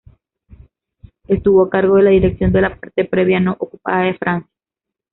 Estuvo a cargo de la dirección de la parte previa no ocupada de Francia.